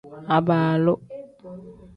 Abaalu.